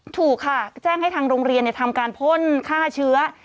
ถูกค่ะแจ้งให้ทางโรงเรียนทำการพ่นฆ่าเชื้อ